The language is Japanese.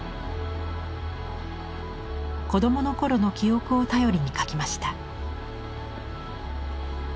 子供の頃の記憶を頼りに描きました。